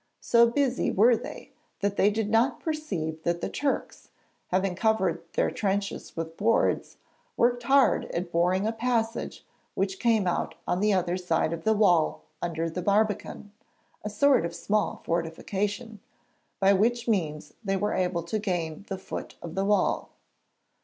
So busy were they, that they did not perceive that the Turks, having covered their trenches with boards, worked hard at boring a passage which came out on the other side of the wall under the barbican a sort of small fortification by which means they were able to gain the foot of the wall.